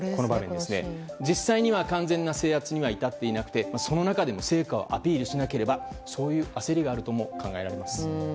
実際には完全な制圧には至っていなくてその中でも成果をアピールしなければそういう焦りがあるとも考えられます。